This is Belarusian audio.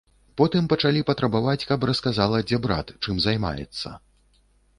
Потым пачалі патрабаваць, каб расказала, дзе брат, чым займаецца.